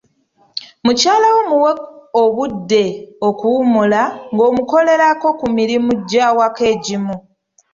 Mukyala wo muwe obudde okuwummula nga omukolerako ku mirimu gy'awaka egimu.